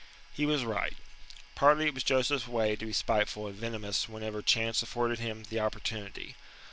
He was right. Partly it was Joseph's way to be spiteful and venomous whenever chance afforded him the opportunity.